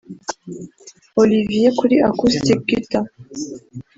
Olivier kuri Accoustic Guitor